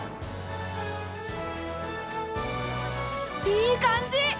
いい感じ！